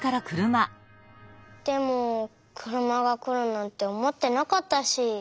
でもくるまがくるなんておもってなかったし。